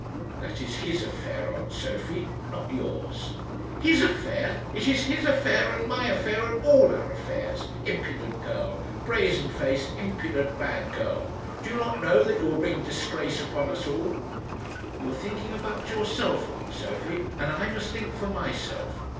"That is his affair, aunt Sophie; not yours." "His affair! It is his affair, and my affair, and all our affairs. Impudent girl! brazen faced, impudent, bad girl! Do you not know that you would bring disgrace upon us all?" "You are thinking about yourself, aunt Sophie; and I must think for myself."